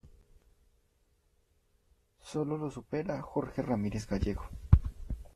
Solo lo supera Jorge Ramírez Gallego.